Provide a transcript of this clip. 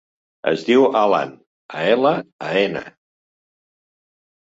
Es diu Alan: a, ela, a, ena.